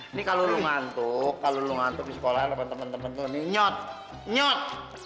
ini kalau lo ngantuk kalau lo ngantuk di sekolah temen temen lo nih nyot nyot